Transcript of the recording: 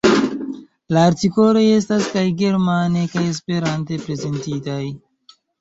La artikoloj estas kaj germane kaj Esperante prezentitaj.